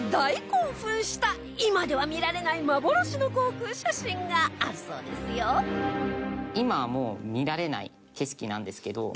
興奮した今では見られない幻の航空写真があるそうですよがありましてですね。